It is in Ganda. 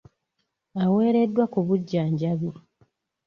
Aweereddwa ku bujjanjabi.